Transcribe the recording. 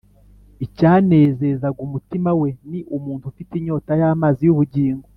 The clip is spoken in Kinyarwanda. icyanezezaga umutima we ni umuntu ufite inyota y’amazi y’ubugingo